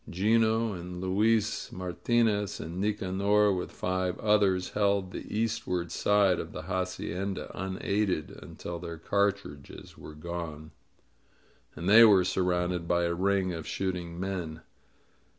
'Gino, and Luis Martinez, and Nicanor, with five others, held the eastward side of the hacienda unaided until their cartridges were gone, and they were sur rounded by a ring of shooting men.